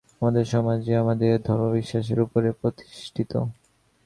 আমাদের সমাজ যে আমাদের ধর্মবিশ্বাসের উপরে প্রতিষ্ঠিত।